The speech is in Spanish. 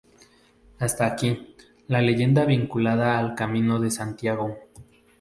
Hasta aquí, la leyenda vinculada al camino de Santiago.